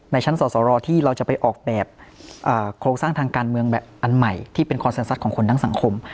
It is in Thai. ชั้นสอสรที่เราจะไปออกแบบโครงสร้างทางการเมืองแบบอันใหม่ที่เป็นคอนเซ็นซัดของคนทั้งสังคม